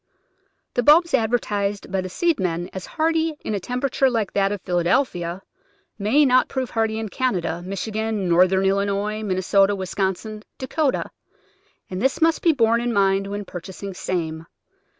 The bulbs advertised by the seedsmen as hardy in a temperature like that of Philadelphia may not prove hardy in Canada, Michigan, Northern Illinois, Min nesota, Wisconsin, Dakota, and this must be borne in mind when purchasing same.